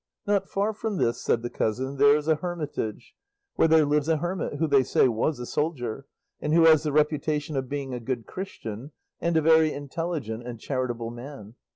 "Not far from this," said the cousin, "there is a hermitage, where there lives a hermit, who they say was a soldier, and who has the reputation of being a good Christian and a very intelligent and charitable man.